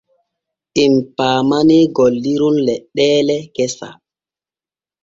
Em paamanee golliron leɗɗeele gesa.